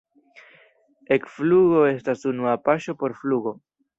Ekflugo estas unua paŝo por flugo.